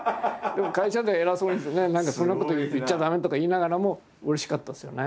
でも会社では偉そうにして「そんなこと言っちゃ駄目」とか言いながらもうれしかったですよね。